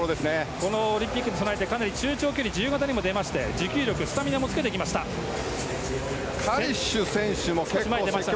このオリンピックに備えて中長距離自由形にも出まして持久力、スタミナもつけてきました。